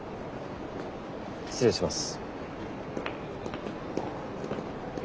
失礼します。